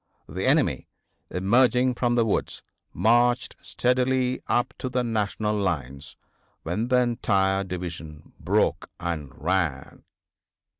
The enemy, emerging from the woods, marched steadily up to the National lines, when the entire division broke and ran."